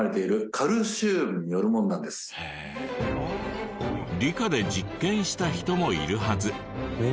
これは理科で実験した人もいるはず。